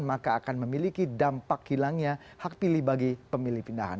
maka akan memiliki dampak hilangnya hak pilih bagi pemilih pindahan